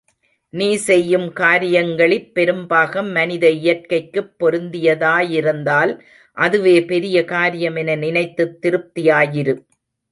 நீ செய்யும் காரியங்களிற் பெரும்பாகம் மனித இயற்கைக்குப் பொருந்தியதா யிருந்தால் அதுவே பெரிய காரியம் என நினைத்துத் திருப்தியாயிரு.